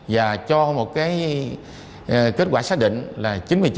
và cho một kết quả xác định là chín mươi chín chín mươi chín